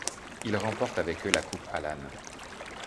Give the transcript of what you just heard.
Il remporte avec eux la Coupe Allan.